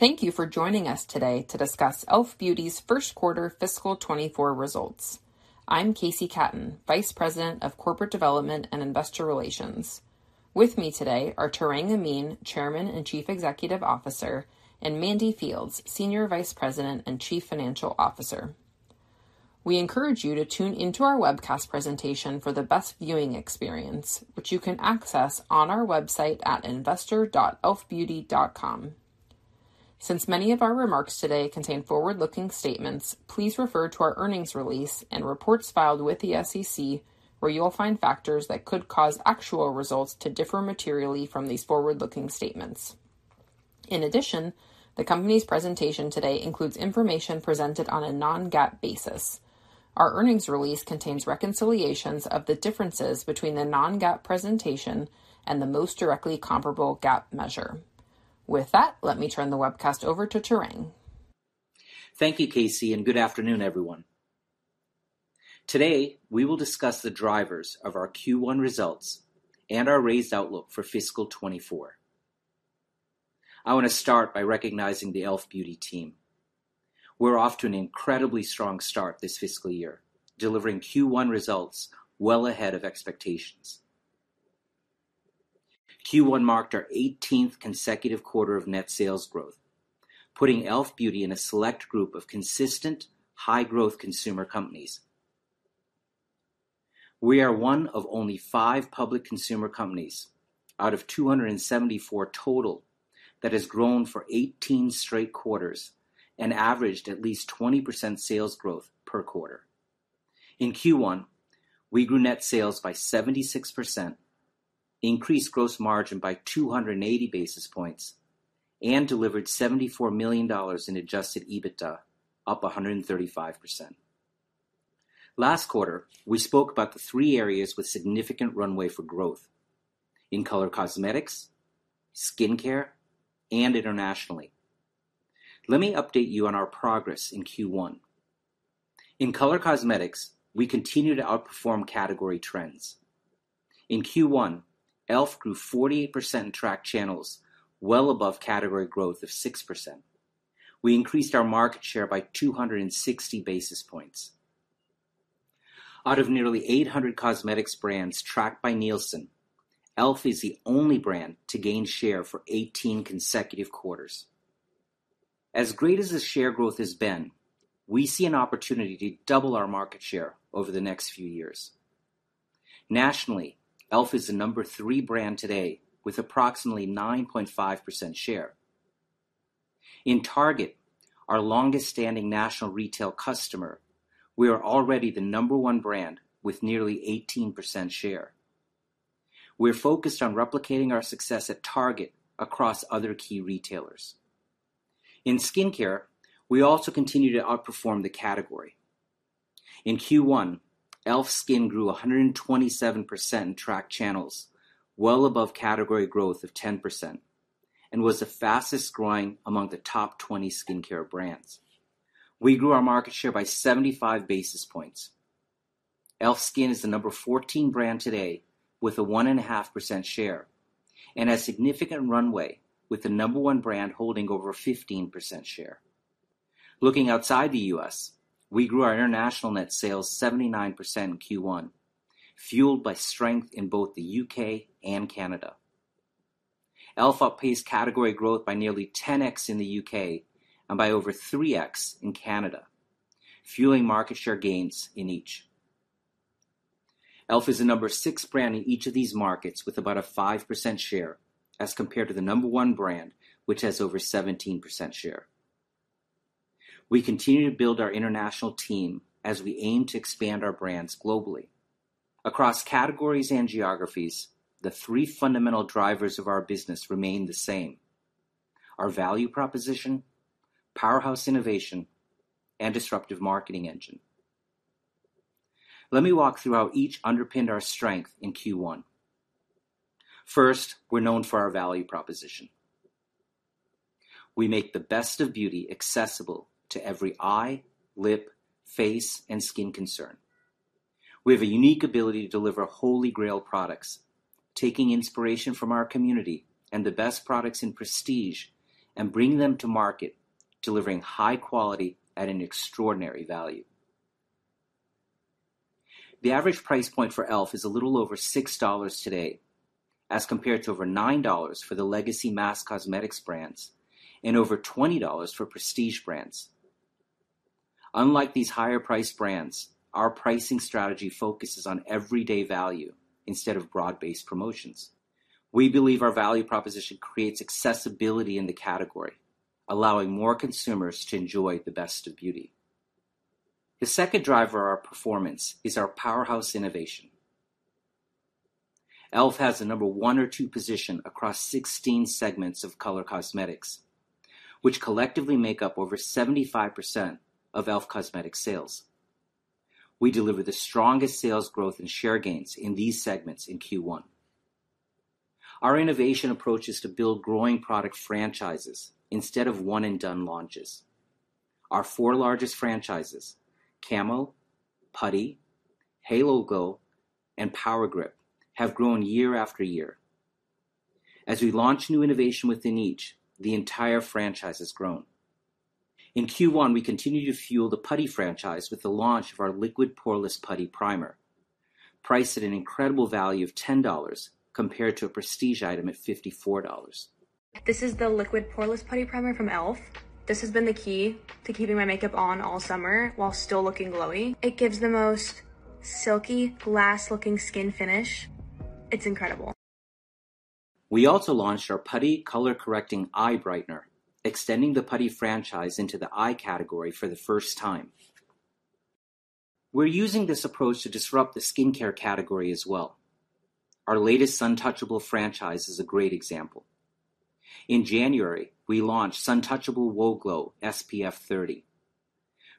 Thank you for joining us today to discuss e.l.f. Beauty's First Quarter Fiscal 2024 Results. I'm Kacey Catton, Vice President of Corporate Development and Investor Relations. With me today are Tarang Amin, Chairman and Chief Executive Officer, and Mandy Fields, Senior Vice President and Chief Financial Officer. We encourage you to tune into our webcast presentation for the best viewing experience, which you can access on our website at investor.elfbeauty.com. Since many of our remarks today contain forward-looking statements, please refer to our earnings release and reports filed with the SEC, where you will find factors that could cause actual results to differ materially from these forward-looking statements. In addition, the company's presentation today includes information presented on a non-GAAP basis. Our earnings release contains reconciliations of the differences between the non-GAAP presentation and the most directly comparable GAAP measure. With that, let me turn the webcast over to Tarang. Thank you, Kacey. Good afternoon, everyone. Today, we will discuss the drivers of our Q1 results and our raised outlook for fiscal 2024. I want to start by recognizing the e.l.f. Beauty team. We're off to an incredibly strong start this fiscal year, delivering Q1 results well ahead of expectations. Q1 marked our 18th consecutive quarter of net sales growth, putting e.l.f. Beauty in a select group of consistent, high-growth consumer companies. We are one of only five public consumer companies out of 274 total, that has grown for 18 straight quarters and averaged at least 20% sales growth per quarter. In Q1, we grew net sales by 76%, increased gross margin by 280 basis points, and delivered $74 million in adjusted EBITDA, up 135%. Last quarter, we spoke about the three areas with significant runway for growth: in color cosmetics, skincare, and internationally. Let me update you on our progress in Q1. In color cosmetics, we continue to outperform category trends. In Q1, e.l.f. grew 48% in tracked channels, well above category growth of 6%. We increased our market share by 260 basis points. Out of nearly 800 cosmetics brands tracked by Nielsen, e.l.f. is the only brand to gain share for 18 consecutive quarters. As great as the share growth has been, we see an opportunity to double our market share over the next few years. Nationally, e.l.f. is the number three brand today with approximately 9.5% share. In Target, our longest-standing national retail customer, we are already the number one brand with nearly 18% share. We're focused on replicating our success at Target across other key retailers. In skincare, we also continue to outperform the category. In Q1, e.l.f. Skin grew 127% in tracked channels, well above category growth of 10%, and was the fastest growing among the top 20 skincare brands. We grew our market share by 75 basis points. e.l.f. Skin is the number 14 brand today, with a 1.5% share and a significant runway, with the number one brand holding over 15% share. Looking outside the U.S., we grew our international net sales 79% in Q1, fueled by strength in both the U.K. and Canada. e.l.f. outpaced category growth by nearly 10x in the U.K. and by over 3x in Canada, fueling market share gains in each. e.l.f. is the number six brand in each of these markets, with about a 5% share, as compared to the number one brand, which has over 17% share. We continue to build our international team as we aim to expand our brands globally. Across categories and geographies, the three fundamental drivers of our business remain the same: our value proposition, powerhouse innovation, and disruptive marketing engine. Let me walk through how each underpinned our strength in Q1. First, we're known for our value proposition. We make the best of beauty accessible to every eye, lip, face, and skin concern. We have a unique ability to deliver Holy Grail products, taking inspiration from our community and the best products in prestige and bringing them to market, delivering high quality at an extraordinary value. The average price point for e.l.f. is a little over $6 today, as compared to over $9 for the legacy mass cosmetics brands and over $20 for prestige brands. Unlike these higher priced brands, our pricing strategy focuses on everyday value instead of broad-based promotions. We believe our value proposition creates accessibility in the category, allowing more consumers to enjoy the best of beauty. The second driver of our performance is our powerhouse innovation. e.l.f. has a number one or two position across 16 segments of color cosmetics, which collectively make up over 75% of e.l.f. Cosmetics sales. We delivered the strongest sales growth and share gains in these segments in Q1. Our innovation approach is to build growing product franchises instead of one and done launches. Our four largest franchises, Camo, Putty, Halo Glow, and Power Grip, have grown year after year. As we launch new innovation within each, the entire franchise has grown. In Q1, we continued to fuel the Putty franchise with the launch of our Liquid Poreless Putty Primer, priced at an incredible value of $10 compared to a prestige item at $54. This is the Liquid Poreless Putty Primer from e.l.f. This has been the key to keeping my makeup on all summer while still looking glowy. It gives the most silky, glass-looking skin finish. It's incredible! We also launched our Putty Color-Correcting Eye Brightener, extending the Putty franchise into the eye category for the first time. We're using this approach to disrupt the skincare category as well. Our latest Suntouchable franchise is a great example. In January, we launched Suntouchable Whoa Glow SPF 30,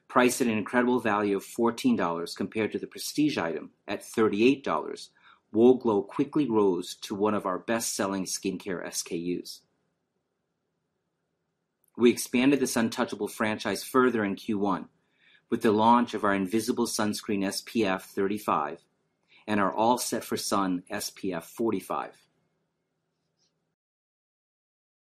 priced at an incredible value of $14 compared to the prestige item at $38. Whoa Glow quickly rose to one of our best-selling skincare SKUs. We expanded the Suntouchable franchise further in Q1 with the launch of our Invisible Sunscreen SPF 35 and our All Set for Sun SPF 45.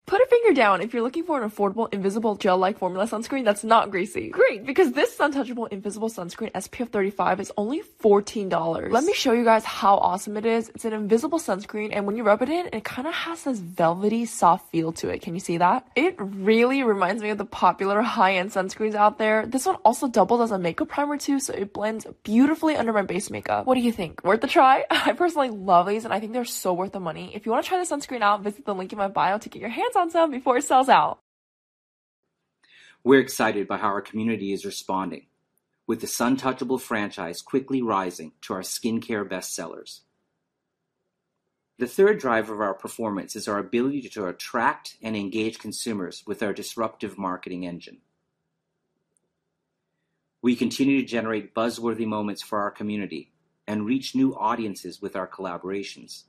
Put a finger down if you're looking for an affordable, invisible, gel-like formula sunscreen that's not greasy. Great, because this Suntouchable Invisible Sunscreen SPF 35 is only $14. Let me show you guys how awesome it is. It's an invisible sunscreen, and when you rub it in, it kind of has this velvety, soft feel to it. Can you see that? It really reminds me of the popular high-end sunscreens out there. This one also doubles as a makeup primer, too, so it blends beautifully under my base makeup. What do you think? Worth a try? I personally love these, and I think they're so worth the money. If you want to try this sunscreen out, visit the link in my bio to get your hands on some before it sells out. We're excited by how our community is responding, with the Suntouchable franchise quickly rising to our skincare bestsellers. The third driver of our performance is our ability to attract and engage consumers with our disruptive marketing engine. We continue to generate buzz-worthy moments for our community and reach new audiences with our collaborations.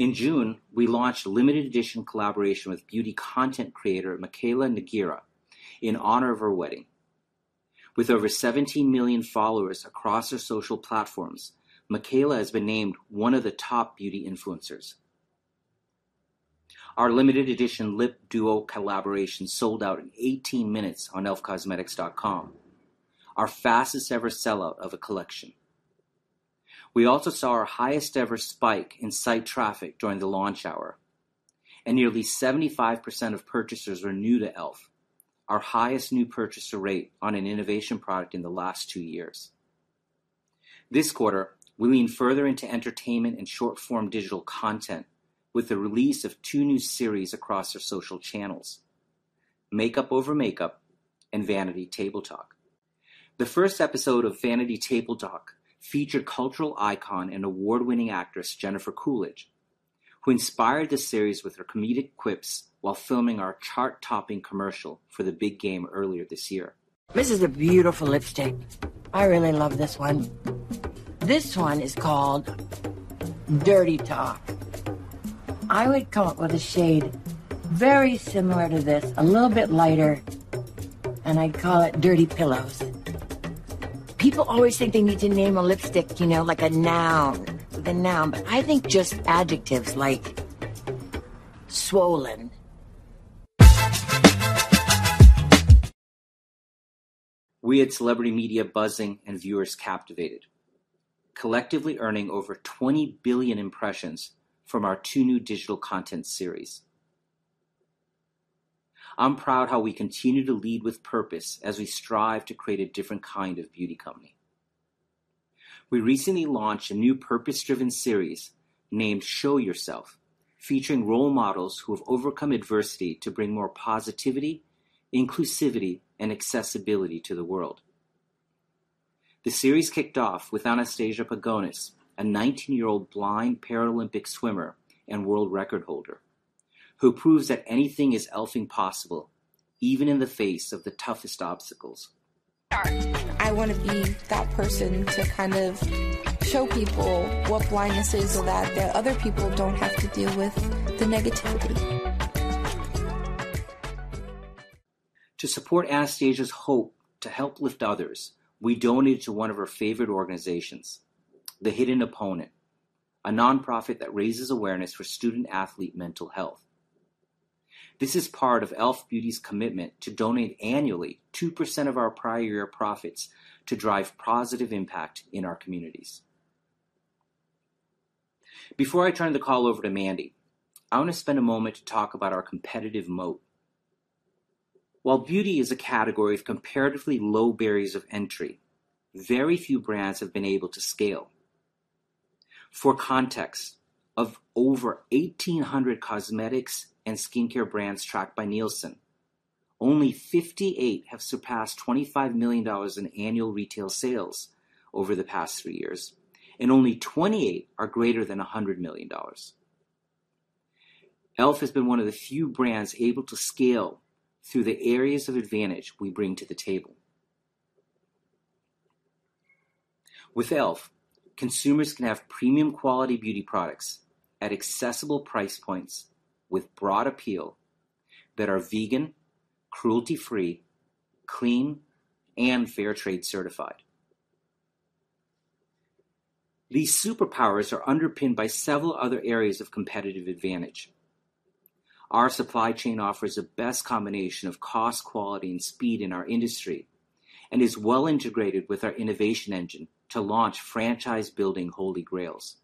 In June, we launched a limited-edition collaboration with beauty content creator Mikayla Nogueira in honor of her wedding. With over 17 million followers across her social platforms, Mikayla has been named one of the top beauty influencers. Our limited-edition lip duo collaboration sold out in 18 minutes on elfcosmetics.com, our fastest-ever sellout of a collection. We also saw our highest-ever spike in site traffic during the launch hour, and nearly 75% of purchasers were new to e.l.f., our highest new purchaser rate on an innovation product in the last two years. This quarter, we leaned further into entertainment and short-form digital content with the release of two new series across our social channels, Make Up Over Makeup and Vanity Table Talk. The first episode of Vanity Table Talk featured cultural icon and award-winning actress Jennifer Coolidge, who inspired the series with her comedic quips while filming our chart-topping commercial for the big game earlier this year. This is a beautiful lipstick. I really love this one. This one is called Dirty Talk. I would come up with a shade very similar to this, a little bit lighter, and I'd call it Dirty Pillows. People always think they need to name a lipstick, you know, like a noun, a noun, but I think just adjectives like swollen. We had celebrity media buzzing and viewers captivated, collectively earning over 20 billion impressions from our two new digital content series. I'm proud how we continue to lead with purpose as we strive to create a different kind of beauty company. We recently launched a new purpose-driven series named Show Your(s)e.l.f., featuring role models who have overcome adversity to bring more positivity, inclusivity, and accessibility to the world. The series kicked off with Anastasia Pagonis, a 19-year-old blind Paralympic swimmer and world record holder, who proves that anything is elfing possible, even in the face of the toughest obstacles. I want to be that person to kind of show people what blindness is, so that the other people don't have to deal with the negativity. To support [Anastasia Pagonis's] hope to help lift others, we donated to one of her favorite organizations, The Hidden Opponent, a nonprofit that raises awareness for student-athlete mental health. This is part of e.l.f. Beauty's commitment to donate annually 2% of our prior year profits to drive positive impact in our communities. Before I turn the call over to Mandy, I want to spend a moment to talk about our competitive moat. While beauty is a category of comparatively low barriers of entry, very few brands have been able to scale. For context, of over 1,800 cosmetics and skincare brands tracked by Nielsen, only 58 have surpassed $25 million in annual retail sales over the past three years, and only 28 are greater than $100 million. e.l.f. has been one of the few brands able to scale through the areas of advantage we bring to the table....With e.l.f., consumers can have premium quality beauty products at accessible price points with broad appeal that are vegan, cruelty-free, clean, and Fair Trade Certified. These superpowers are underpinned by several other areas of competitive advantage. Our supply chain offers the best combination of cost, quality, and speed in our industry, and is well integrated with our innovation engine to launch franchise-building Holy Grails.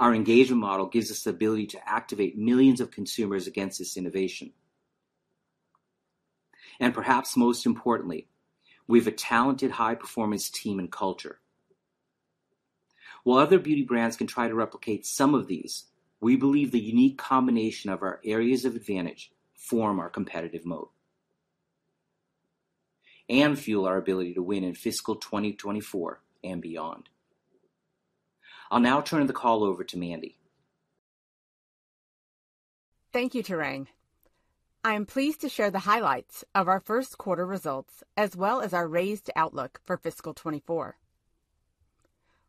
Our engagement model gives us the ability to activate millions of consumers against this innovation. Perhaps most importantly, we have a talented, high-performance team and culture. While other beauty brands can try to replicate some of these, we believe the unique combination of our areas of advantage form our competitive moat and fuel our ability to win in fiscal 2024 and beyond. I'll now turn the call over to Mandy. Thank you, Tarang. I am pleased to share the highlights of our first quarter results, as well as our raised outlook for fiscal 2024.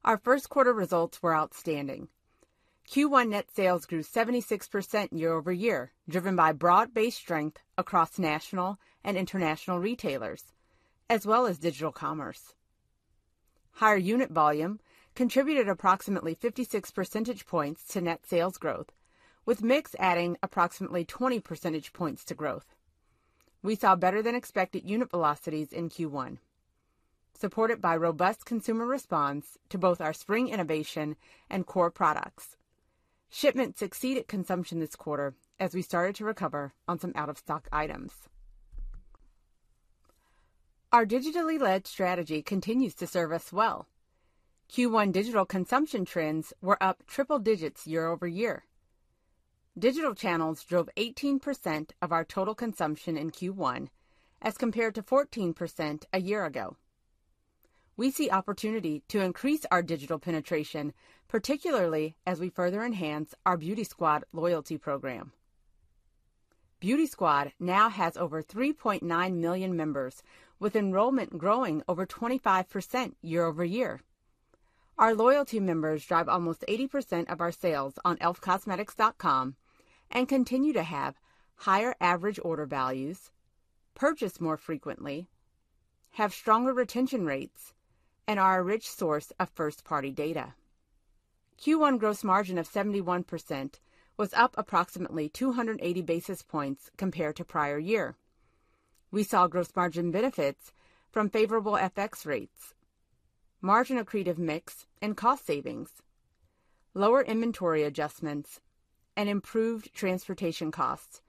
Our first quarter results were outstanding. Q1 net sales grew 76% year-over-year, driven by broad-based strength across national and international retailers, as well as digital commerce. Higher unit volume contributed approximately 56 percentage points to net sales growth, with mix adding approximately 20 percentage points to growth. We saw better-than-expected unit velocities in Q1, supported by robust consumer response to both our spring innovation and core products. Shipments exceeded consumption this quarter as we started to recover on some out-of-stock items. Our digitally-led strategy continues to serve us well. Q1 digital consumption trends were up triple digits year-over-year. Digital channels drove 18% of our total consumption in Q1, as compared to 14% a year ago. We see opportunity to increase our digital penetration, particularly as we further enhance our Beauty Squad loyalty program. Beauty Squad now has over 3.9 million members, with enrollment growing over 25% year-over-year. Our loyalty members drive almost 80% of our sales on elfcosmetics.com and continue to have higher average order values, purchase more frequently, have stronger retention rates, and are a rich source of first-party data. Q1 gross margin of 71% was up approximately 280 basis points compared to prior year. We saw gross margin benefits from favorable FX rates, margin accretive mix and cost savings, lower inventory adjustments, and improved transportation costs,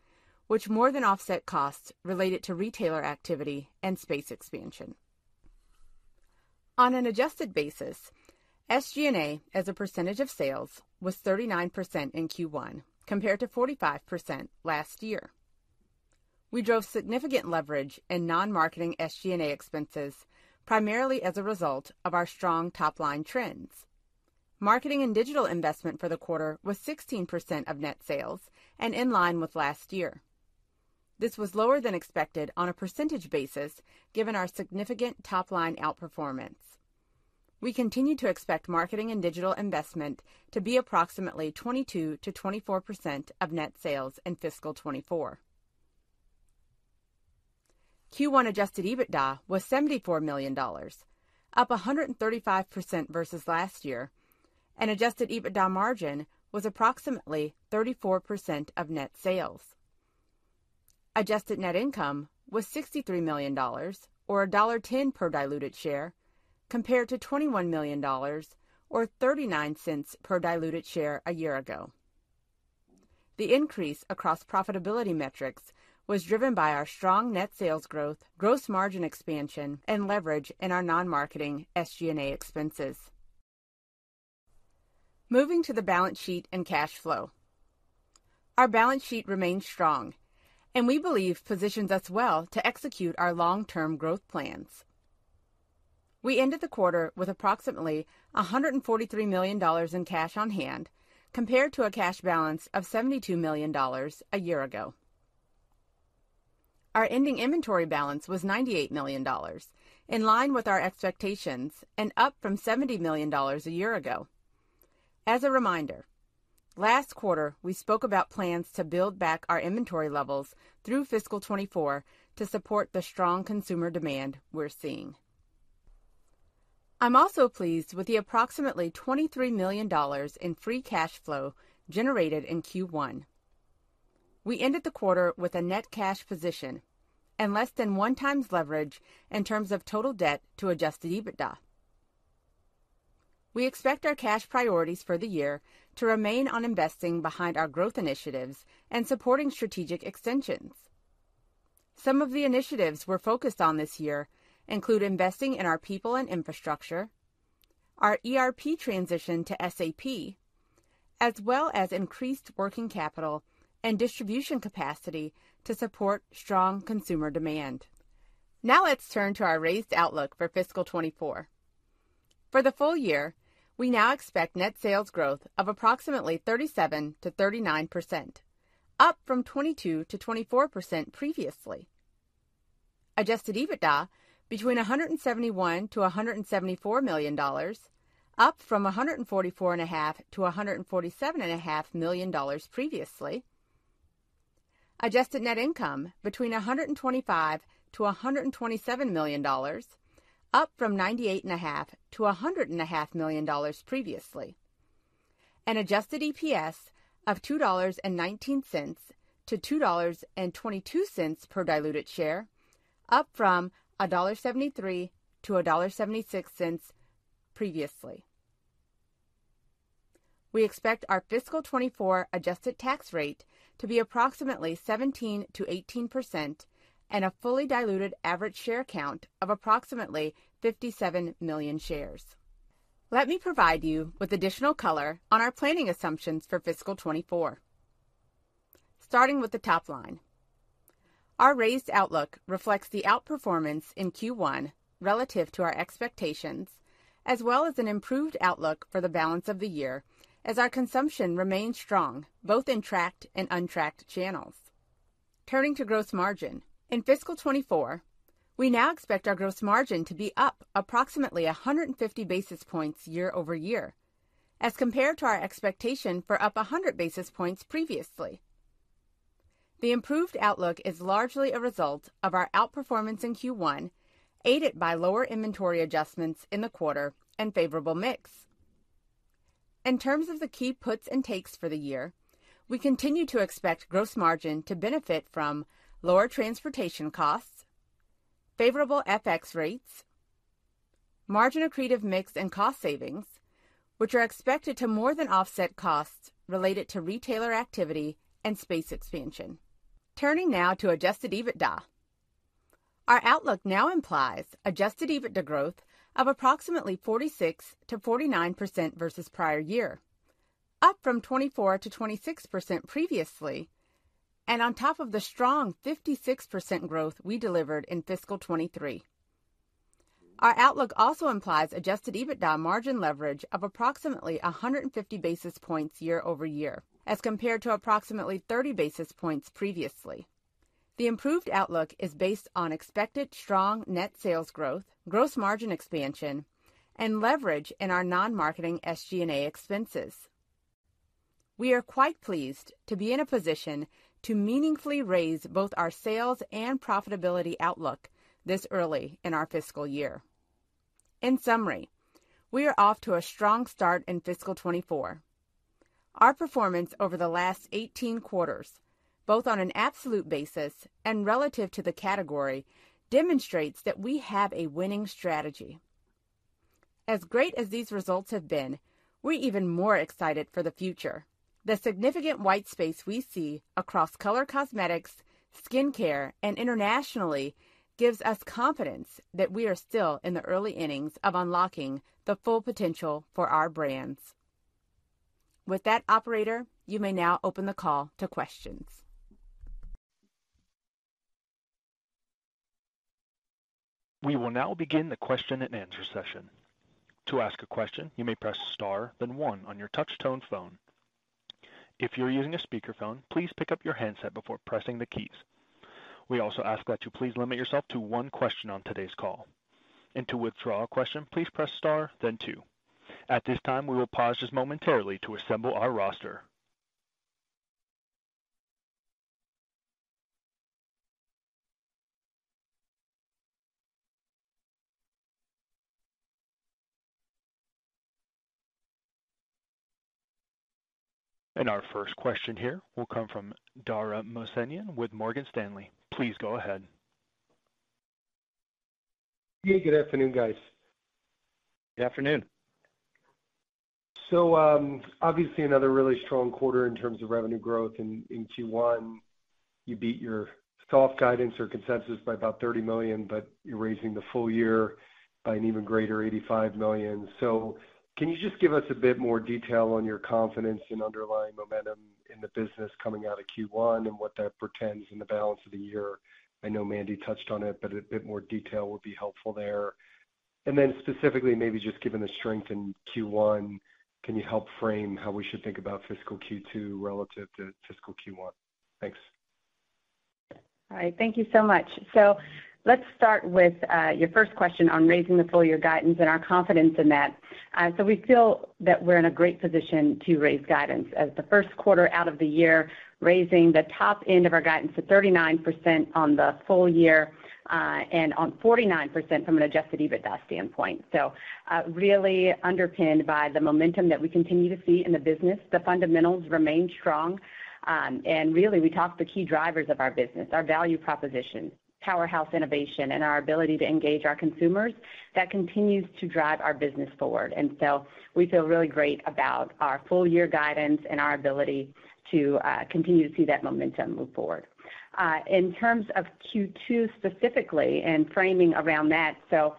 which more than offset costs related to retailer activity and space expansion. On an adjusted basis, SG&A, as a percentage of sales, was 39% in Q1, compared to 45% last year. We drove significant leverage in non-marketing SG&A expenses, primarily as a result of our strong top-line trends. Marketing and digital investment for the quarter was 16% of net sales and in line with last year. This was lower than expected on a percentage basis, given our significant top-line outperformance. We continue to expect marketing and digital investment to be approximately 22%-24% of net sales in fiscal 2024. Q1 adjusted EBITDA was $74 million, up 135% versus last year, and adjusted EBITDA margin was approximately 34% of net sales. Adjusted net income was $63 million, or $1.10 per diluted share, compared to $21 million, or $0.39 per diluted share a year ago. The increase across profitability metrics was driven by our strong net sales growth, gross margin expansion, and leverage in our non-marketing SG&A expenses. Moving to the balance sheet and cash flow. Our balance sheet remains strong and we believe positions us well to execute our long-term growth plans. We ended the quarter with approximately $143 million in cash on hand, compared to a cash balance of $72 million a year ago. Our ending inventory balance was $98 million, in line with our expectations and up from $70 million a year ago. As a reminder, last quarter, we spoke about plans to build back our inventory levels through fiscal 2024 to support the strong consumer demand we're seeing. I'm also pleased with the approximately $23 million in free cash flow generated in Q1. We ended the quarter with a net cash position and less than 1x leverage in terms of total debt to adjusted EBITDA. We expect our cash priorities for the year to remain on investing behind our growth initiatives and supporting strategic extensions. Some of the initiatives we're focused on this year include investing in our people and infrastructure, our ERP transition to SAP, as well as increased working capital and distribution capacity to support strong consumer demand. Now let's turn to our raised outlook for fiscal 2024. For the full year, we now expect net sales growth of approximately 37%-39%, up from 22%-24% previously. Adjusted EBITDA between $171 million-$174 million, up from $144.5 million-$147.5 million previously. Adjusted net income between $125 million-$127 million, up from $98.5 million-$100.5 million previously. An adjusted EPS of $2.19-$2.22 per diluted share, up from $1.73-$1.76 previously. We expect our fiscal 2024 adjusted tax rate to be approximately 17%-18% and a fully diluted average share count of approximately 57 million shares. Let me provide you with additional color on our planning assumptions for fiscal 2024. Starting with the top line, our raised outlook reflects the outperformance in Q1 relative to our expectations, as well as an improved outlook for the balance of the year, as our consumption remains strong, both in tracked and untracked channels. Turning to gross margin. In fiscal 2024, we now expect our gross margin to be up approximately 150 basis points year-over-year, as compared to our expectation for up 100 basis points previously. The improved outlook is largely a result of our outperformance in Q1, aided by lower inventory adjustments in the quarter and favorable mix. In terms of the key puts and takes for the year, we continue to expect gross margin to benefit from lower transportation costs, favorable FX rates, margin accretive mix and cost savings, which are expected to more than offset costs related to retailer activity and space expansion. Turning now to adjusted EBITDA. Our outlook now implies adjusted EBITDA growth of approximately 46%-49% versus prior year, up from 24%-26% previously, and on top of the strong 56% growth we delivered in fiscal 2023. Our outlook also implies adjusted EBITDA margin leverage of approximately 150 basis points year-over-year, as compared to approximately 30 basis points previously. The improved outlook is based on expected strong net sales growth, gross margin expansion, and leverage in our non-marketing SG&A expenses. We are quite pleased to be in a position to meaningfully raise both our sales and profitability outlook this early in our fiscal year. In summary, we are off to a strong start in fiscal 2024. Our performance over the last 18 quarters, both on an absolute basis and relative to the category, demonstrates that we have a winning strategy. As great as these results have been, we're even more excited for the future. The significant white space we see across color cosmetics, skincare, and internationally gives us confidence that we are still in the early innings of unlocking the full potential for our brands. With that, operator, you may now open the call to questions. We will now begin the question-and-answer session. To ask a question, you may press star, then one on your touch-tone phone. If you're using a speakerphone, please pick up your handset before pressing the keys. We also ask that you please limit yourself to one question on today's call. To withdraw a question, please press star then two. At this time, we will pause just momentarily to assemble our roster. Our first question here will come from Dara Mohsenian with Morgan Stanley. Please go ahead. Yeah, good afternoon, guys. Good afternoon. Obviously, another really strong quarter in terms of revenue growth. In, in Q1, you beat your soft guidance or consensus by about $30 million, but you're raising the full year by an even greater $85 million. Can you just give us a bit more detail on your confidence in underlying momentum in the business coming out of Q1 and what that portends in the balance of the year? I know Mandy touched on it, but a bit more detail would be helpful there. Specifically, maybe just given the strength in Q1, can you help frame how we should think about fiscal Q2 relative to fiscal Q1? Thanks. All right. Thank you so much. Let's start with your first question on raising the full-year guidance and our confidence in that. We feel that we're in a great position to raise guidance as the first quarter out of the year, raising the top end of our guidance to 39% on the full year, and on 49% from an adjusted EBITDA standpoint. Really underpinned by the momentum that we continue to see in the business. The fundamentals remain strong, really, we talked the key drivers of our business, our value proposition, powerhouse innovation, and our ability to engage our consumers. That continues to drive our business forward. We feel really great about our full-year guidance and our ability to continue to see that momentum move forward. In terms of Q2 specifically and framing around that, so,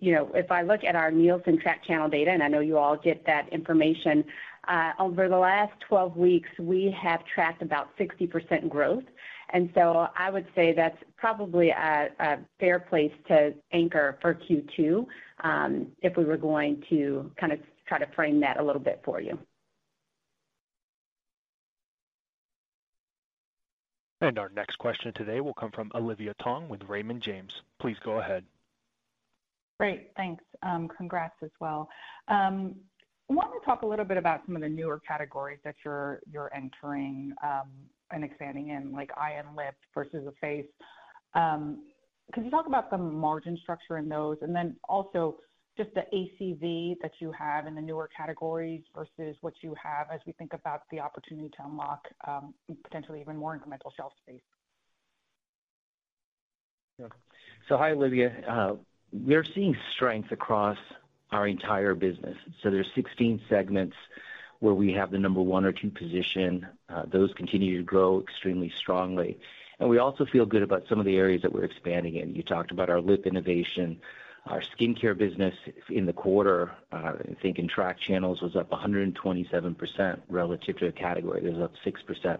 you know, if I look at our Nielsen Tracked Channel data, and I know you all get that information, over the last 12 weeks, we have tracked about 60% growth. I would say that's probably a, a fair place to anchor for Q2, if we were going to kind of try to frame that a little bit for you. Our next question today will come from Olivia Tong with Raymond James. Please go ahead. Great, thanks. Congrats as well. I want to talk a little bit about some of the newer categories that you're, you're entering, and expanding in, like eye and lip versus the face. Can you talk about the margin structure in those? Also, just the ACV that you have in the newer categories versus what you have as we think about the opportunity to unlock, potentially even more incremental shelf space. Hi, Olivia. We're seeing strength across our entire business. There's 16 segments where we have the number one or two position. Those continue to grow extremely strongly, and we also feel good about some of the areas that we're expanding in. You talked about our lip innovation, our skincare business in the quarter, I think in track channels, was up 127% relative to the category. It was up 6%.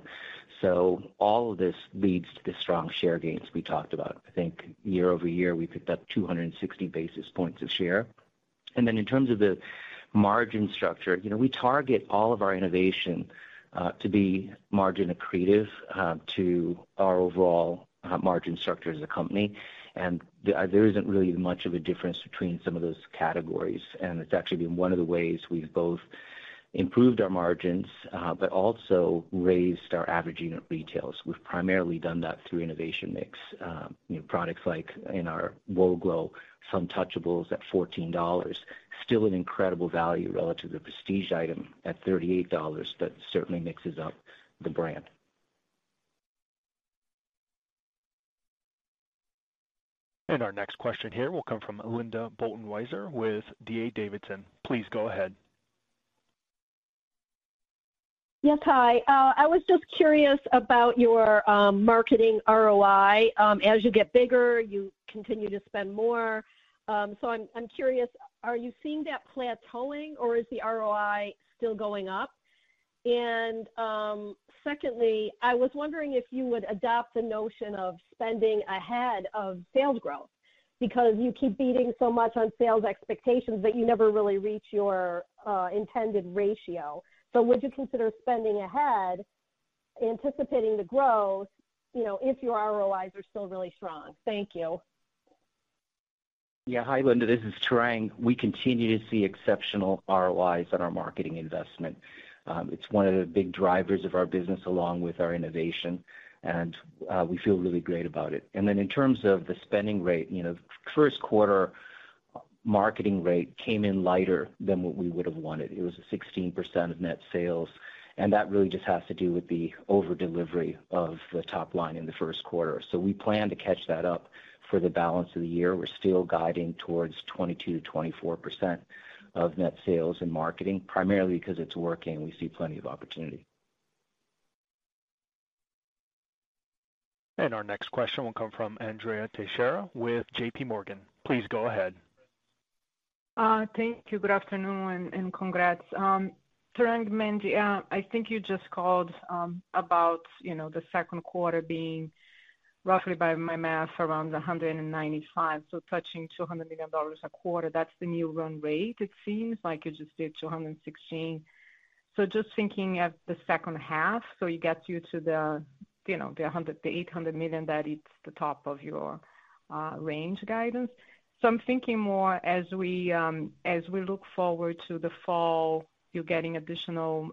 All of this leads to the strong share gains we talked about. I think year-over-year, we picked up 260 basis points of share. Then in terms of the margin structure, you know, we target all of our innovation, to be margin accretive to our overall margin structure as a company. There isn't really much of a difference between some of those categories, and it's actually been one of the ways we've both improved our margins, but also raised our average unit retails. We've primarily done that through innovation mix, you know, products like in our Whoa Glow, Suntouchable at $14, still an incredible value relative to the prestige item at $38. That certainly mixes up the brand. Our next question here will come from Linda Bolton Weiser with D.A. Davidson. Please go ahead. Yes, hi. I was just curious about your marketing ROI. As you get bigger, you continue to spend more. I'm curious, are you seeing that plateauing or is the ROI still going up? Secondly, I was wondering if you would adopt the notion of spending ahead of sales growth, because you keep beating so much on sales expectations, but you never really reach your intended ratio. Would you consider spending ahead, anticipating the growth, you know, if your ROIs are still really strong? Thank you. Yeah. Hi, Linda, this is Tarang. We continue to see exceptional ROIs on our marketing investment. It's one of the big drivers of our business, along with our innovation, and we feel really great about it. Then in terms of the spending rate, you know, first quarter marketing rate came in lighter than what we would have wanted. It was a 16% of net sales, and that really just has to do with the over delivery of the top line in the first quarter. We plan to catch that up for the balance of the year. We're still guiding towards 22%-24% of net sales and marketing, primarily because it's working. We see plenty of opportunity. Our next question will come from Andrea Teixeira with JPMorgan. Please go ahead. Thank you. Good afternoon, and congrats. Tarang, Mandy, I think you just called about, you know, the second quarter being roughly by my math, around $195 million, so touching $200 million a quarter. That's the new run rate. It seems like you just did $216 million. Just thinking at the second half, so it gets you to the, you know, the $800 million, that it's the top of your range guidance. I'm thinking more as we as we look forward to the fall, you're getting additional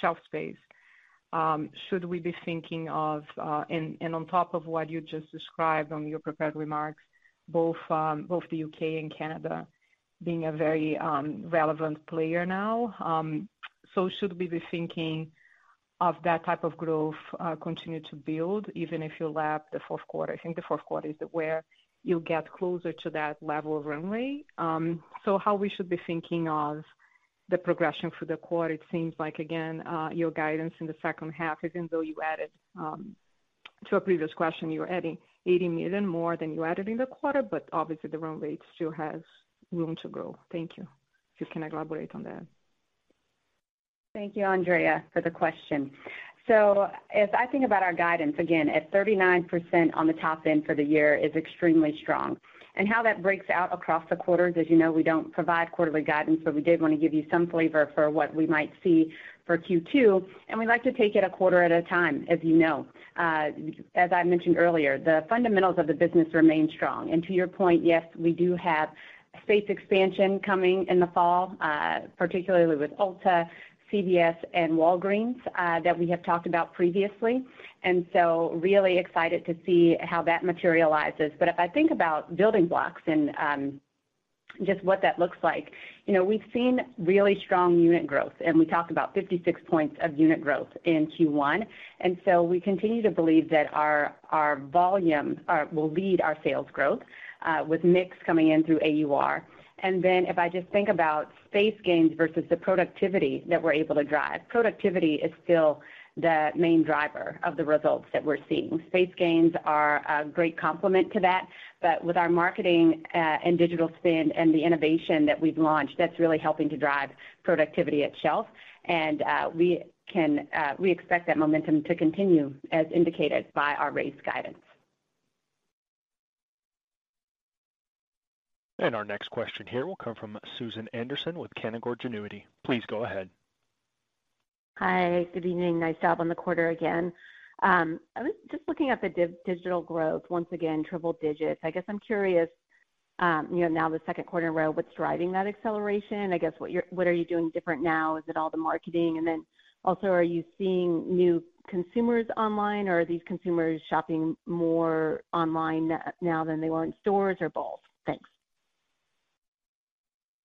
shelf space. Should we be thinking of, and on top of what you just described on your prepared remarks, both the U.K. and Canada being a very relevant player now? Should we be thinking of that type of growth, continue to build, even if you lap the fourth quarter? I think the fourth quarter is where you'll get closer to that level of runway. How we should be thinking of the progression for the quarter, it seems like, again, your guidance in the second half, even though you added, to a previous question, you were adding $80 million more than you added in the quarter, but obviously the run rate still has room to grow. Thank you. If you can elaborate on that. Thank you, Andrea, for the question. As I think about our guidance, again, at 39% on the top end for the year is extremely strong. How that breaks out across the quarters, as you know, we don't provide quarterly guidance, but we did want to give you some flavor for what we might see for Q2, and we'd like to take it a quarter at a time, as you know. As I mentioned earlier, the fundamentals of the business remain strong. To your point, yes, we do have space expansion coming in the fall, particularly with Ulta, CVS and Walgreens, that we have talked about previously, and so really excited to see how that materializes. If I think about building blocks and, just what that looks like, you know, we've seen really strong unit growth, and we talked about 56 points of unit growth in Q1. So we continue to believe that our, our volume, will lead our sales growth, with mix coming in through AUR. If I just think about space gains versus the productivity that we're able to drive, productivity is still the main driver of the results that we're seeing. Space gains are a great complement to that, but with our marketing, and digital spend and the innovation that we've launched, that's really helping to drive productivity at shelf. We can, we expect that momentum to continue, as indicated by our race guidance. Our next question here will come from Susan Anderson with Canaccord Genuity. Please go ahead. Hi, good evening. Nice job on the quarter again. I was just looking at the digital growth, once again, triple digits. I guess I'm curious, you know, now the second quarter in a row, what's driving that acceleration? I guess, what are you doing different now? Is it all the marketing? Then also, are you seeing new consumers online, or are these consumers shopping more online now than they were in stores, or both? Thanks.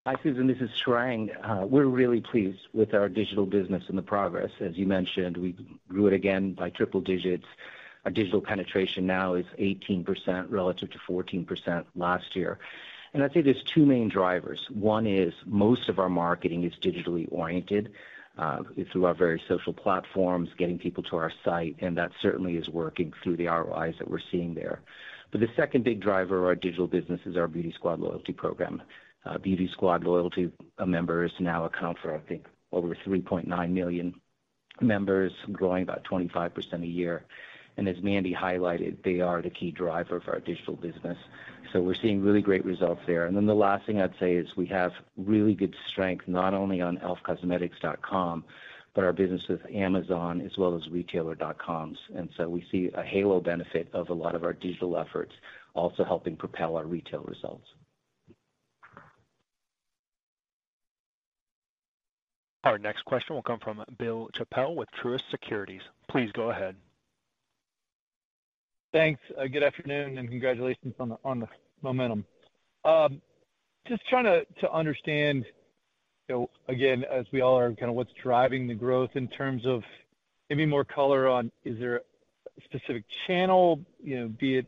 Hi, Susan, this is Tarang. We're really pleased with our digital business and the progress. As you mentioned, we grew it again by triple digits. Our digital penetration now is 18%, relative to 14% last year. I'd say there's two main drivers. One is most of our marketing is digitally oriented, through our various social platforms, getting people to our site, and that certainly is working through the ROIs that we're seeing there. The second big driver of our digital business is our Beauty Squad loyalty program. Beauty Squad loyalty members now account for, I think, over 3.9 million members, growing about 25% a year. As Mandy highlighted, they are the key driver for our digital business. We're seeing really great results there. The last thing I'd say is we have really good strength, not only on elfcosmetics.com, but our business with Amazon as well as retailer.coms. We see a halo benefit of a lot of our digital efforts also helping propel our retail results. Our next question will come from Bill Chappell with Truist Securities. Please go ahead. Thanks. Good afternoon, and congratulations on the momentum. Just trying to understand, you know, again, as we all are, kind of what's driving the growth in terms of maybe more color on, is there a specific channel? You know, be it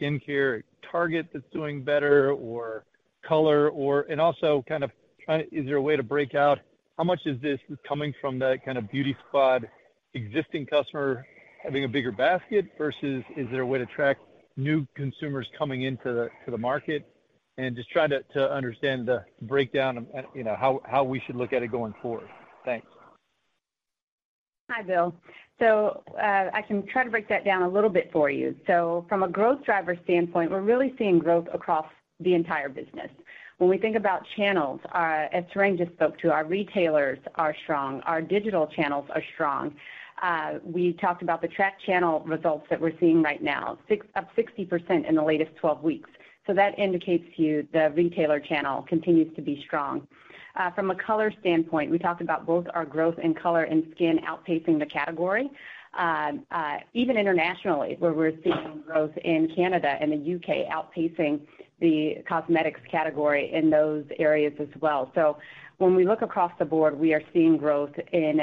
skincare at Target that's doing better, or color or... Also, kind of, is there a way to break out how much is this coming from the kind of Beauty Squad existing customer having a bigger basket, versus is there a way to track new consumers coming into the, to the market? Just try to understand the breakdown of, you know, how we should look at it going forward. Thanks. Hi, Bill. I can try to break that down a little bit for you. From a growth driver standpoint, we're really seeing growth across the entire business. When we think about channels, as Tarang just spoke to, our retailers are strong, our digital channels are strong. We talked about the track channel results that we're seeing right now, up 60% in the latest 12 weeks. That indicates to you the retailer channel continues to be strong. From a color standpoint, we talked about both our growth in color and skin outpacing the category. Even internationally, where we're seeing growth in Canada and the U.K., outpacing the cosmetics category in those areas as well. When we look across the board, we are seeing growth in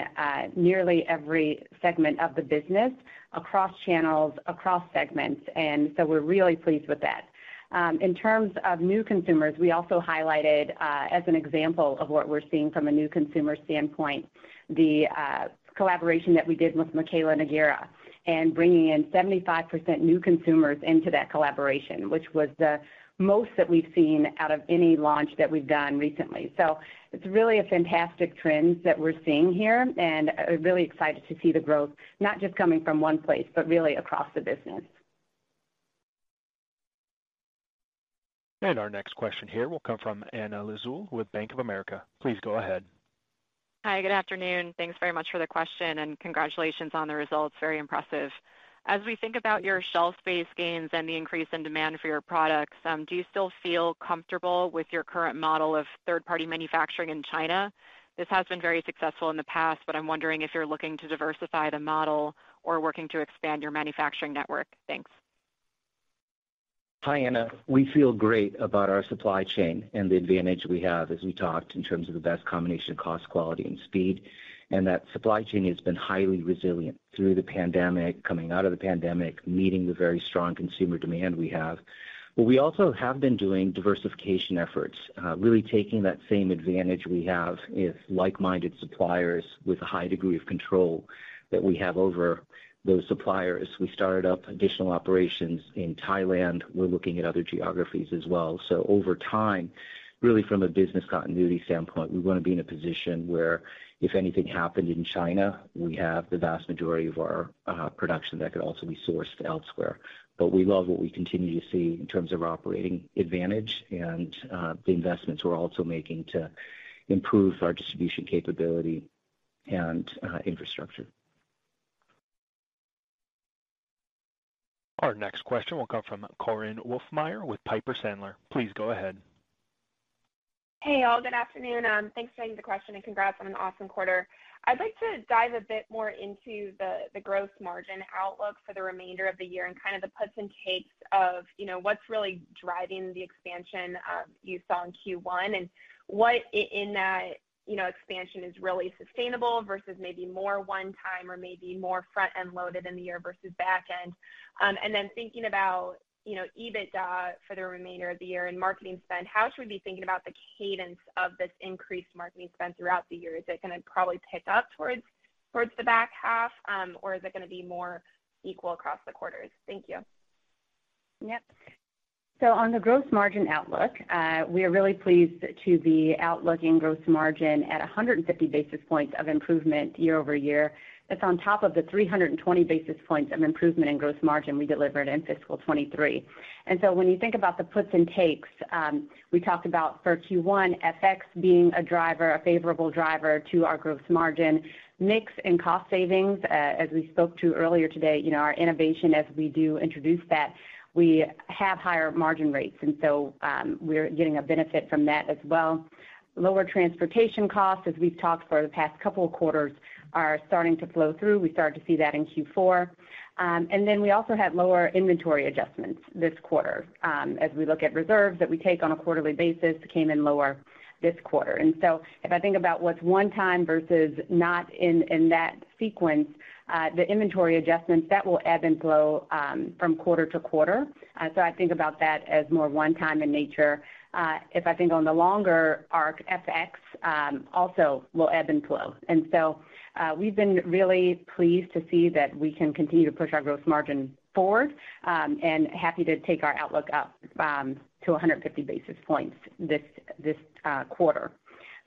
nearly every segment of the business, across channels, across segments, and so we're really pleased with that. In terms of new consumers, we also highlighted as an example of what we're seeing from a new consumer standpoint, the collaboration that we did with Mikayla Nogueira, and bringing in 75% new consumers into that collaboration, which was the most that we've seen out of any launch that we've done recently. It's really a fantastic trend that we're seeing here, and really excited to see the growth, not just coming from one place, but really across the business. Our next question here will come from Anna Lizzul with Bank of America. Please go ahead. Hi, good afternoon. Thanks very much for the question, and congratulations on the results. Very impressive. As we think about your shelf space gains and the increase in demand for your products, do you still feel comfortable with your current model of third-party manufacturing in China? This has been very successful in the past, but I'm wondering if you're looking to diversify the model or working to expand your manufacturing network. Thanks. Hi, Anna. We feel great about our supply chain and the advantage we have as we talked, in terms of the best combination of cost, quality, and speed. That supply chain has been highly resilient through the pandemic, coming out of the pandemic, meeting the very strong consumer demand we have. We also have been doing diversification efforts, really taking that same advantage we have with like-minded suppliers, with a high degree of control that we have over those suppliers. We started up additional operations in Thailand. We're looking at other geographies as well. Over time, really from a business continuity standpoint, we want to be in a position where if anything happened in China, we have the vast majority of our production that could also be sourced elsewhere. We love what we continue to see in terms of our operating advantage and the investments we're also making to improve our distribution capability and infrastructure. Our next question will come from Korinne Wolfmeyer with Piper Sandler. Please go ahead. Hey, all. Good afternoon. Thanks for taking the question, and congrats on an awesome quarter. I'd like to dive a bit more into the, the growth margin outlook for the remainder of the year and kind of the puts and takes of, you know, what's really driving the expansion you saw in Q1, and what in that, you know, expansion is really sustainable versus maybe more one-time or maybe more front-end loaded in the year versus back end. Then thinking about, you know, EBITDA for the remainder of the year and marketing spend, how should we be thinking about the cadence of this increased marketing spend throughout the year? Is it going to probably pick up towards, towards the back half, or is it going to be more equal across the quarters? Thank you. Yep. On the gross margin outlook, we are really pleased to be outlooking gross margin at 150 basis points of improvement year-over-year. That's on top of the 320 basis points of improvement in gross margin we delivered in fiscal 2023. When you think about the puts and takes, we talked about for Q1, FX being a driver, a favorable driver to our gross margin. Mix and cost savings, as we spoke to earlier today, you know, our innovation as we do introduce that, we have higher margin rates, we're getting a benefit from that as well. Lower transportation costs, as we've talked for the past couple of quarters, are starting to flow through. We started to see that in Q4. We also had lower inventory adjustments this quarter, as we look at reserves that we take on a quarterly basis, came in lower this quarter. If I think about what's one time versus not in, in that sequence, the inventory adjustments, that will ebb and flow from quarter to quarter. I think about that as more one time in nature. If I think on the longer arc, FX also will ebb and flow. We've been really pleased to see that we can continue to push our growth margin forward, and happy to take our outlook up to 150 basis points this, this quarter.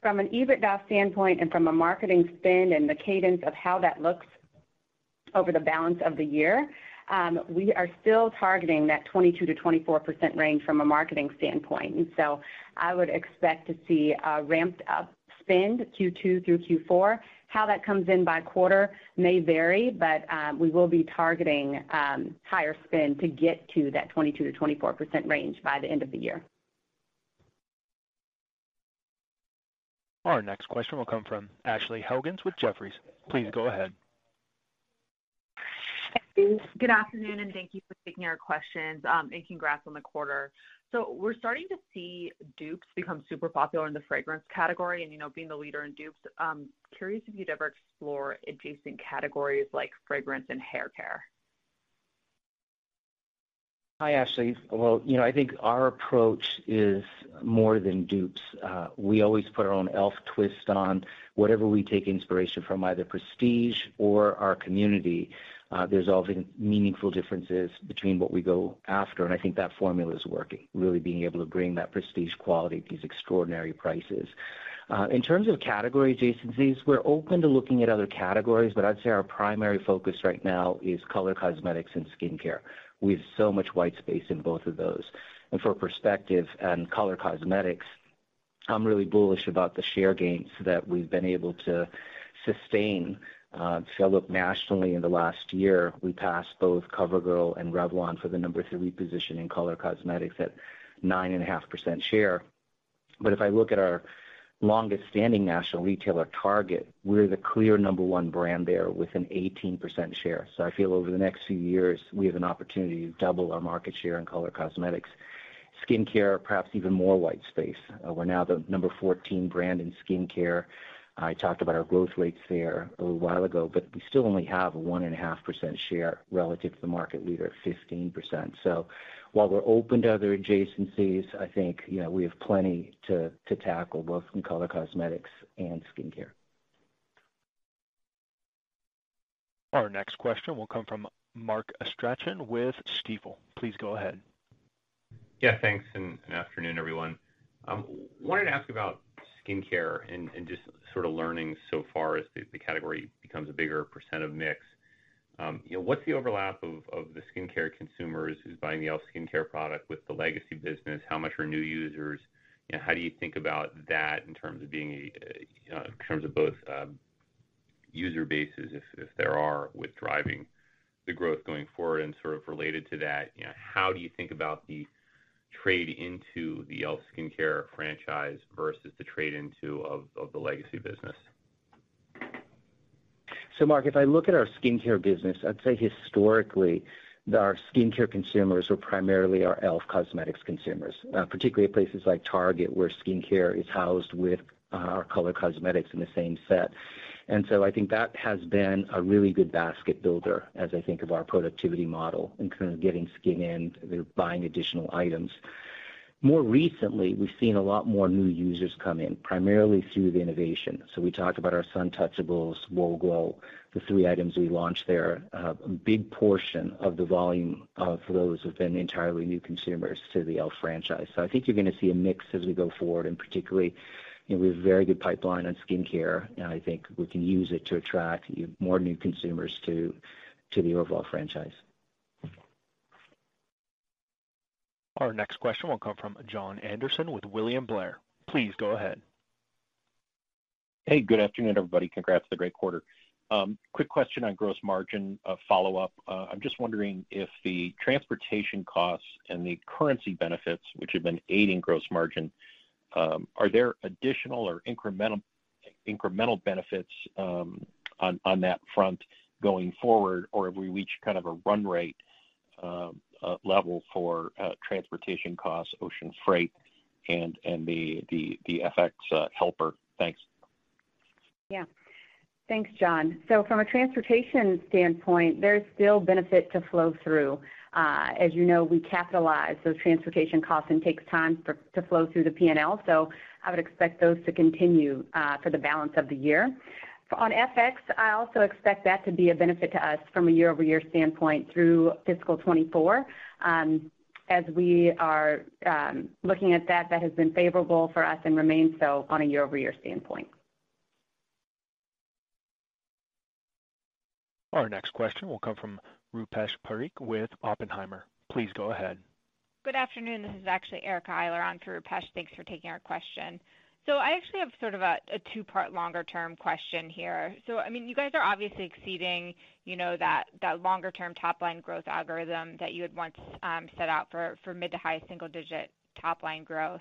From an EBITDA standpoint and from a marketing spend and the cadence of how that looks over the balance of the year, we are still targeting that 22%-24% range from a marketing standpoint. So I would expect to see a ramped-up spend Q2 through Q4. How that comes in by quarter may vary. We will be targeting higher spend to get to that 22%-24% range by the end of the year. Our next question will come from Ashley Helgans with Jefferies. Please go ahead. Good afternoon, and thank you for taking our questions. Congrats on the quarter. We're starting to see dupes become super popular in the fragrance category, and, you know, being the leader in dupes, curious if you'd ever explore adjacent categories like fragrance and hair care? Hi, Ashley. Well, you know, I think our approach is more than dupes. We always put our own e.l.f. twist on whatever we take inspiration from, either prestige or our community. There's often meaningful differences between what we go after, and I think that formula is working, really being able to bring that prestige quality at these extraordinary prices. In terms of category adjacencies, we're open to looking at other categories, but I'd say our primary focus right now is color cosmetics and skincare. We have so much white space in both of those. For perspective and color cosmetics, I'm really bullish about the share gains that we've been able to sustain. If you look nationally, in the last year, we passed both CoverGirl and Revlon for the number 3 position in color cosmetics at 9.5% share. If I look at our longest-standing national retailer, Target, we're the clear number 1 brand there with an 18% share. I feel over the next few years, we have an opportunity to double our market share in color cosmetics. Skincare, perhaps even more white space. We're now the number 14 brand in skincare. I talked about our growth rates there a little while ago, but we still only have a 1.5% share relative to the market leader at 15%. While we're open to other adjacencies, I think, you know, we have plenty to, to tackle, both in color cosmetics and skincare. Our next question will come from Mark Astrachan with Stifel. Please go ahead. Yeah, thanks, and afternoon, everyone. wanted to ask about skincare and just sort of learning so far as the category becomes a bigger % of mix. you know, what's the overlap of the skincare consumers who's buying the e.l.f. Skin product with the legacy business? How much are new users, and how do you think about that in terms of being a, in terms of both, user bases, if, if there are, with driving the growth going forward? Sort of related to that, you know, how do you think about the trade into the e.l.f. Skin franchise versus the trade into of the legacy business? Mark, if I look at our skincare business, I'd say historically, our skincare consumers are primarily our e.l.f. Cosmetics consumers, particularly at places like Target, where skincare is housed with our color cosmetics in the same set. I think that has been a really good basket builder as I think of our productivity model in kind of getting skin in, they're buying additional items. More recently, we've seen a lot more new users come in, primarily through the innovation. We talked about our Suntouchable Whoa Glow, the three items we launched there. A big portion of the volume of those have been entirely new consumers to the e.l.f. franchise. I think you're going to see a mix as we go forward, and particularly, you know, we have a very good pipeline on skincare, and I think we can use it to attract more new consumers to, to the overall franchise. Our next question will come from Jon Andersen with William Blair. Please go ahead. Hey, good afternoon, everybody. Congrats on the great quarter. Quick question on gross margin, a follow-up. I'm just wondering if the transportation costs and the currency benefits, which have been aiding gross margin, are there additional or incremental, incremental benefits on that front going forward? Have we reached kind of a run rate level for transportation costs, ocean freight, and the FX helper? Thanks. Yeah. Thanks, Jon. From a transportation standpoint, there's still benefit to flow through. As you know, we capitalize, those transportation costs and takes time for, to flow through the PNL, so I would expect those to continue for the balance of the year. On FX, I also expect that to be a benefit to us from a year-over-year standpoint through fiscal 2024. As we are looking at that, that has been favorable for us and remains so on a year-over-year standpoint. Our next question will come from Rupesh Parikh with Oppenheimer. Please go ahead. Good afternoon. This is actually Erica Eiler on for Rupesh. Thanks for taking our question. I actually have sort of a two-part longer-term question here. I mean, you guys are obviously exceeding, you know, that longer-term top line growth algorithm that you had once set out for mid to high single digit top line growth.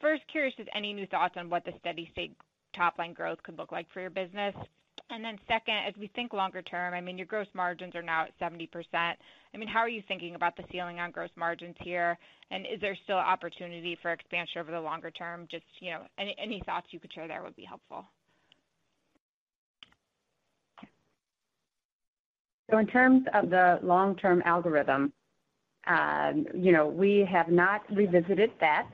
First, curious, any new thoughts on what the steady state top line growth could look like for your business? Then second, as we think longer term, I mean, your gross margins are now at 70%. I mean, how are you thinking about the ceiling on gross margins here? Is there still opportunity for expansion over the longer term? You know, any thoughts you could share there would be helpful. In terms of the long-term algorithm, you know, we have not revisited that,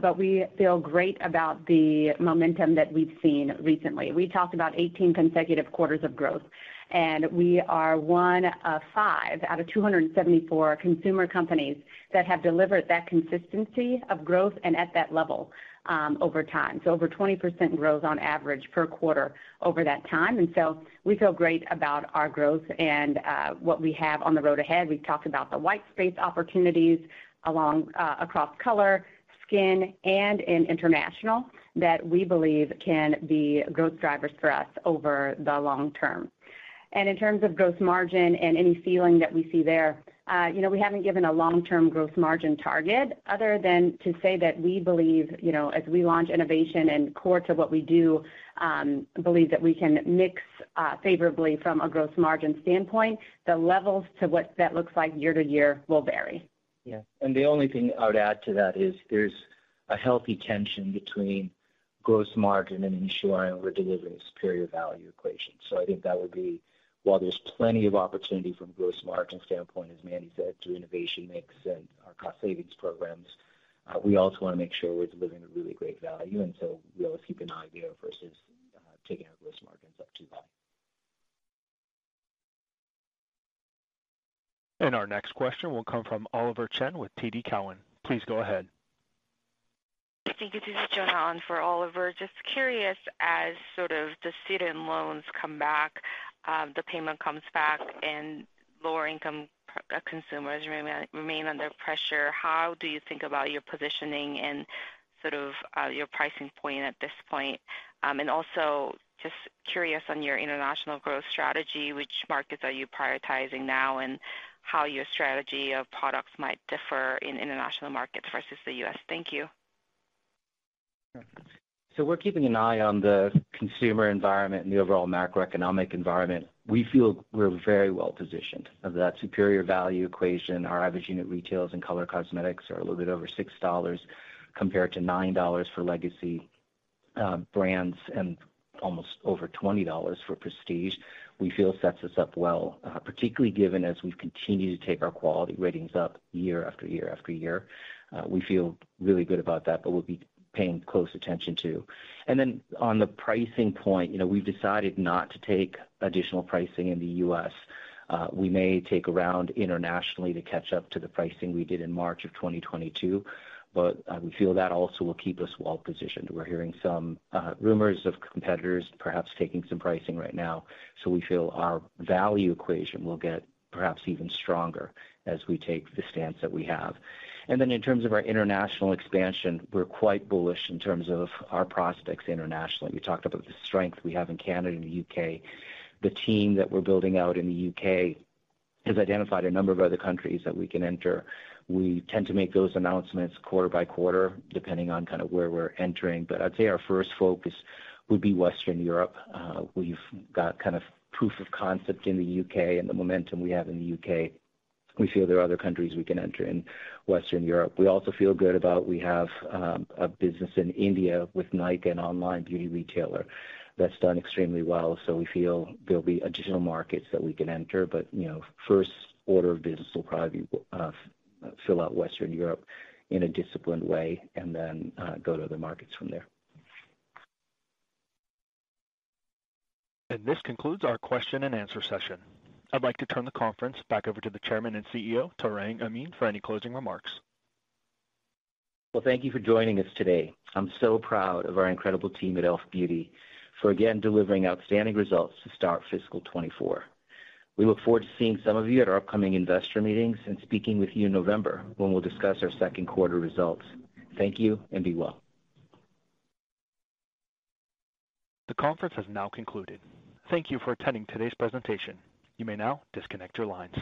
but we feel great about the momentum that we've seen recently. We talked about 18 consecutive quarters of growth, and we are one of five out of 274 consumer companies that have delivered that consistency of growth and at that level, over time. Over 20% growth on average per quarter over that time. We feel great about our growth and what we have on the road ahead. We've talked about the white space opportunities along, across color, skin, and in international, that we believe can be growth drivers for us over the long term. In terms of gross margin and any ceiling that we see there, you know, we haven't given a long-term growth margin target other than to say that we believe, you know, as we launch innovation and core to what we do, believe that we can mix favorably from a gross margin standpoint. The levels to what that looks like year to year will vary. Yeah, and the only thing I would add to that is there's a healthy tension between gross margin and ensuring we're delivering a superior value equation. I think that would be, while there's plenty of opportunity from a gross margin standpoint, as Mandy said, through innovation mix and our cost savings programs, we also want to make sure we're delivering a really great value, and so we always keep an eye there versus taking our gross margins up too high. Our next question will come from Oliver Chen with TD Cowen. Please go ahead. Thank you. This is Jonah on for Oliver. Just curious, as sort of the student loans come back, the payment comes back and lower-income consumers remain, remain under pressure, how do you think about your positioning and sort of, your pricing point at this point? Also just curious on your international growth strategy, which markets are you prioritizing now, and how your strategy of products might differ in international markets versus the U.S.? Thank you. We're keeping an eye on the consumer environment and the overall macroeconomic environment. We feel we're very well positioned. Of that superior value equation, our average unit retails and color cosmetics are a little bit over $6, compared to $9 for legacy brands and almost over $20 for prestige. We feel sets us up well, particularly given as we've continued to take our quality ratings up year after year after year. We feel really good about that, but we'll be paying close attention, too. On the pricing point, you know, we've decided not to take additional pricing in the U.S. We may take a round internationally to catch up to the pricing we did in March of 2022, but we feel that also will keep us well positioned. We're hearing some rumors of competitors perhaps taking some pricing right now. We feel our value equation will get perhaps even stronger as we take the stance that we have. In terms of our international expansion, we're quite bullish in terms of our prospects internationally. We talked about the strength we have in Canada and the U.K. The team that we're building out in the U.K. has identified a number of other countries that we can enter. We tend to make those announcements quarter by quarter, depending on kind of where we're entering. I'd say our first focus would be Western Europe. We've got kind of proof of concept in the U.K. and the momentum we have in the U.K. We feel there are other countries we can enter in Western Europe. We also feel good about we have a business in India with Nykaa, an online beauty retailer, that's done extremely well. We feel there'll be additional markets that we can enter, but, you know, first order of business will probably be fill out Western Europe in a disciplined way and then go to other markets from there. This concludes our question-and-answer session. I'd like to turn the conference back over to the Chairman and CEO, Tarang Amin, for any closing remarks. Well, thank you for joining us today. I'm so proud of our incredible team at e.l.f. Beauty for again, delivering outstanding results to start fiscal 2024. We look forward to seeing some of you at our upcoming investor meetings and speaking with you in November, when we'll discuss our second quarter results. Thank you, and be well. The conference has now concluded. Thank you for attending today's presentation. You may now disconnect your lines.